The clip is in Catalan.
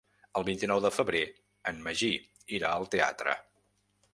El vint-i-nou de febrer en Magí irà al teatre.